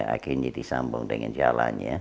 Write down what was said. akhirnya disambung dengan jalan ya